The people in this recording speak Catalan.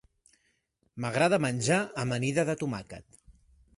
M'agrada menjar amanida de tomàquet.